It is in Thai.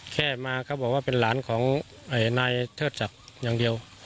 แค่มาเขาบอกว่าเป็นหลานของนายเทิดศักดิ์อย่างเดียว